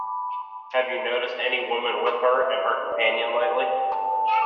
Have you noticed any woman with her and her companion lately?